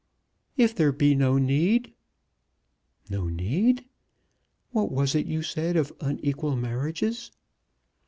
"If there be no need?" "No need? What was it you said of unequal marriages?